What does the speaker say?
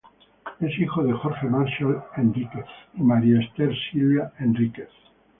Es hijo de Jorge Marshall Henríquez y María Ester Silva Henríquez.